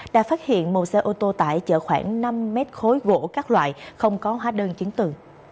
đã phát hiện một xe ô tô tại chở khoảng năm mét khối gỗ các loại không có hóa đơn chiến tự